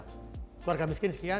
keluarga miskin sekian